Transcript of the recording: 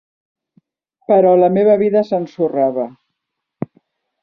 Però la meva vida s'ensorrava.